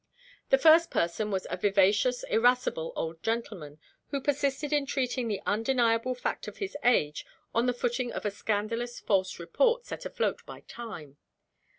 The first person was a vivacious, irascible old gentleman, who persisted in treating the undeniable fact of his age on the footing of a scandalous false report set afloat by Time.